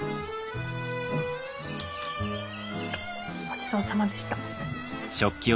ごちそうさまでした。